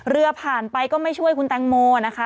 เรือผ่านไปก็ไม่ช่วยคุณแตงโมนะคะ